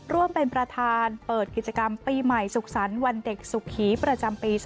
ร่วมเป็นประธานเปิดกิจกรรมปีใหม่สุขสรรค์วันเด็กสุขีประจำปี๒๕๖